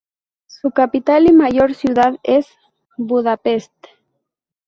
Su capital y mayor ciudad es Budapest.